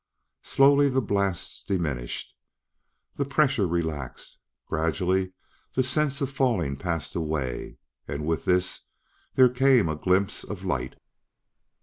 Slowly the blasts diminished; the pressure relaxed; gradually the sense of falling passed away, and with this there came a glimpse of light.